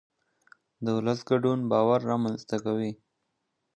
د ولس ګډون باور رامنځته کوي